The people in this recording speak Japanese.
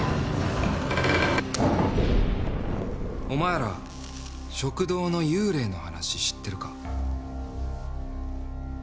お前ら食堂の幽霊の話知ってるか？